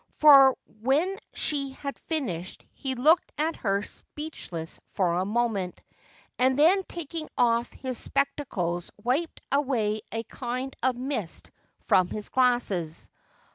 For when she had finished he looked at her speechless for a moment, and then taking off his spectacles wiped away a kind of mist from his glasses.